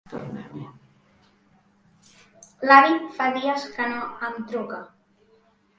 L'avi fa dies que no em truca.